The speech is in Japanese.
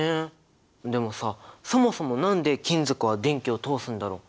でもさそもそも何で金属は電気を通すんだろう？